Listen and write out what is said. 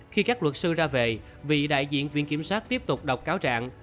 khi các luật sư ra về vị đại diện viện kiểm sát tiếp tục đọc cáo trạng